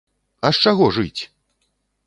А з чаго жыць!